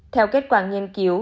theo kết quả nghiên cứu